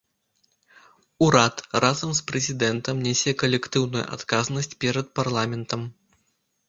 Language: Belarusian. Урад разам з прэзідэнтам нясе калектыўную адказнасць перад парламентам.